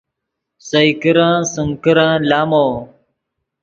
سئے کرن سیم کرن لامو